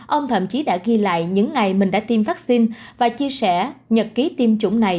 ông thậm chí đã ghi lại những ngày mình đã tiêm vaccine và chia sẻ nhật ký tiêm chủng này